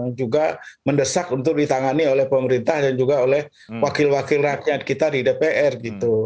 yang juga mendesak untuk ditangani oleh pemerintah dan juga oleh wakil wakil rakyat kita di dpr gitu